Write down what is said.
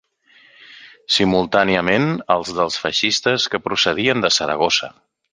Simultàniament, els dels feixistes que procedien de Saragossa.